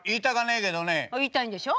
言いたいんでしょ？